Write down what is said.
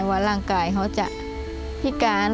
ว่าร่างกายเขาจะพิการ